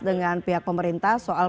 dengan pihak pemerintah soal